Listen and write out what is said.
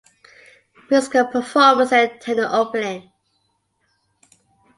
Musical performers attend the opening.